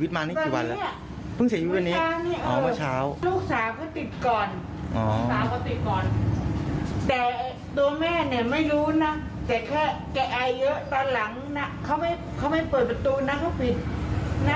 แต่แค่ไอเยอะตอนหลังนะเขาไม่เปิดประตูนะเขาผิดนะ